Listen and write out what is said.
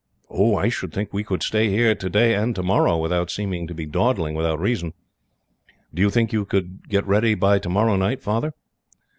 "I should think we could stay here today and tomorrow, without seeming to be dawdling without reason. Do you think you could get ready by tomorrow night, Father?"